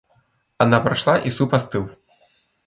Она прошла и суп остыл.